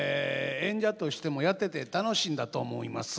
演者としてもやってて楽しいんだと思います。